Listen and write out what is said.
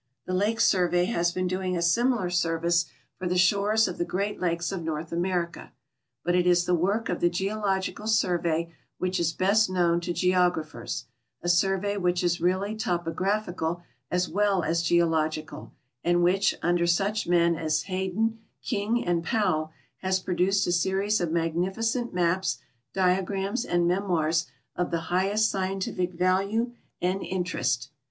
The Lake Survey has been doing a similar service for the shores of the Great Lakes of North America. But it is the work of the Geological Survey which is best known to geogra phers—a survey which is really topographical as well as geolog ical, and which, under such men as Hayden, King, and Powell, has produced a series of magnificent maps, diagrams, and mem oirs of the highest scientific value and interest.